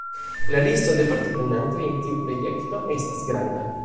La listo de partoprenantoj en tiu projekto estas granda.